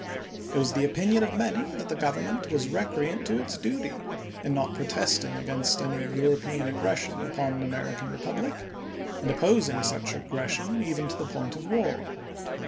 It was the opinion of many that the Government was recreant to its duty in not pro testing against any European aggression upon an American republic, and opposing such aggression even to the point of war.